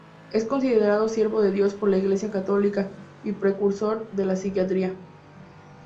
Es considerado siervo de Dios por la iglesia católica, y precursor de la psiquiatría.